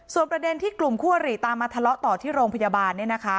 ส่วนประเด็นที่กลุ่มคั่วหรี่ตามมาทะเลาะต่อที่โรงพยาบาล